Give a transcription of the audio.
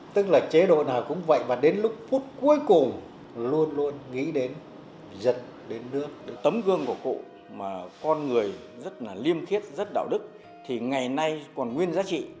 tấm gương của cụ mà con người rất là liêm thiết rất đạo đức thì ngày nay còn nguyên giá trị